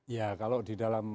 ya kalau di dalam